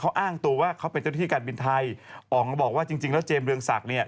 เขาอ้างตัวว่าเขาเป็นเจ้าที่การบินไทยออกมาบอกว่าจริงจริงแล้วเจมสเรืองศักดิ์เนี่ย